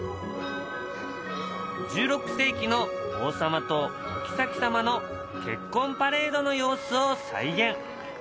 １６世紀の王様とおきさき様の結婚パレードの様子を再現。